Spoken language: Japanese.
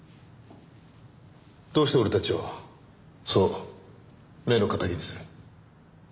どうして俺たちをそう目の敵にする？